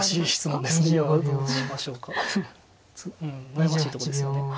悩ましいとこですよね。